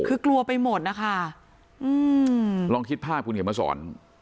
คือกลัวไปหมดนะคะอืมลองคิดภาพคุณเขียนมาสอน